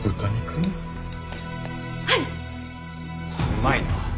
うまいな。